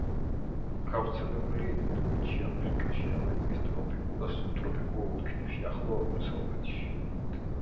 გავრცელებულია ინდოეთში, აფრიკაში, ამერიკის ტროპიკულ და სუბტროპიკულ ოლქებში, ახლო აღმოსავლეთში.